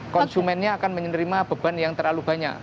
konsumennya akan menerima beban yang terlalu banyak